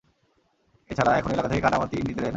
এছাড়া এখন এলাকা থেকে কাদামাটি নিতে দেয়না।